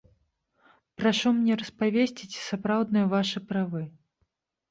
Прашу мне распавесці, ці сапраўдныя вашыя правы?